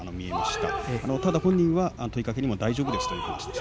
ただ本人は問いかけにも大丈夫ですという話です。